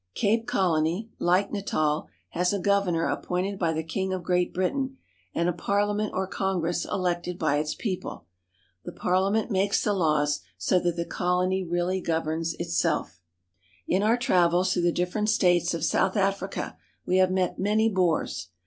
Cape Colony, like Natal, has a governor appointed by the king of Great Britain and a parliament or congress elected by its people. The par liament makes the laws, so that the colony really governs itself. In our travels through the different states of South Africa we have met many Boers.